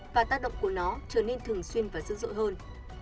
và tác động của nó trở nên thường xuyên và dữ dội hơn